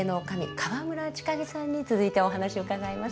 河村千景さんに続いてお話を伺います。